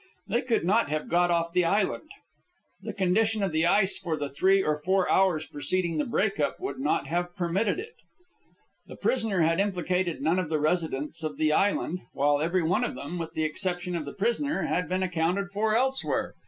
They could not have got off the island. The condition of the ice for the three or four hours preceding the break up would not have permitted it. The prisoner had implicated none of the residents of the island, while every one of them, with the exception of the prisoner, had been accounted for elsewhere.